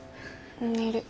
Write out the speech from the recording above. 寝る。